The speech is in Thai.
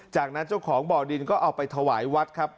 จากนั้นเจ้าของบ่อดินก็เอาไปถวายวัดครับ